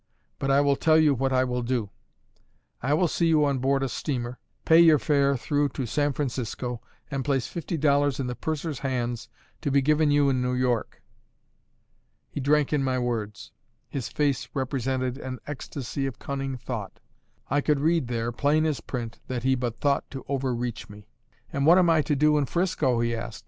But I will tell you what I will do: I will see you on board a steamer, pay your fare through to San Francisco, and place fifty dollars in the purser's hands, to be given you in New York." He drank in my words; his face represented an ecstasy of cunning thought. I could read there, plain as print, that he but thought to overreach me. "And what am I to do in 'Frisco?" he asked.